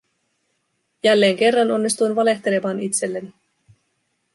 Jälleen kerran onnistuin valehtelemaan itselleni.